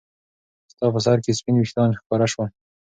ستا په سر کې سپین ويښتان ښکاره شول.